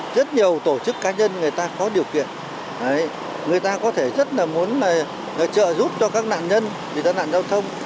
rất nhiều tổ chức cá nhân người ta có điều kiện người ta có thể rất là muốn trợ giúp cho các nạn nhân bị tai nạn giao thông